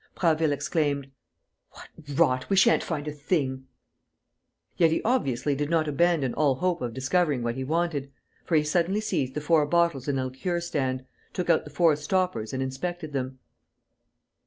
Prasville exclaimed: "What rot! We shan't find a thing!" Yet he obviously did not abandon all hope of discovering what he wanted, for he suddenly seized the four bottles in a liqueur stand, took out the four stoppers and inspected them.